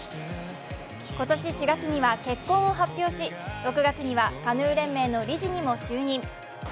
今年４月には結婚を発表し６月にはカヌー連盟の理事にも就任。